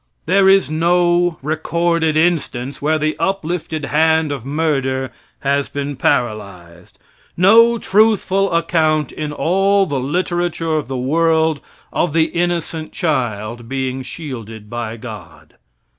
There is no recorded instance where the uplifted hand of murder has been paralyzed no truthful account in all the literature of the world of the innocent child being shielded by God.